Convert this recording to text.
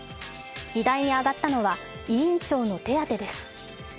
議題に上がったのは委員長の手当です。